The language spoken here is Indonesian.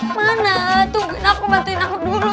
bantuin aku dulu